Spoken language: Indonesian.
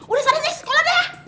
udah salah deh sekolah deh